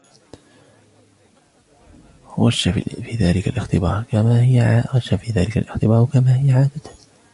غشّ في ذلك الاختبار ، كما هي عادته.